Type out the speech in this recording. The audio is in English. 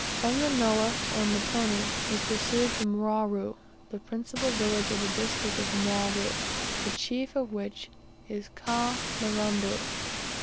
From the nullah, or mtoni, we proceeded to Mwaru, the principal village of the district of Mwaru, the chief of which is Ka mirambo.